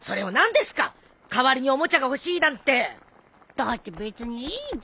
だって別にいいじゃん。